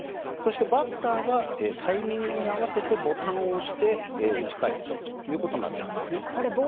そしてバッターはタイミングに合わせてボタンを押し打ち返すということになっています。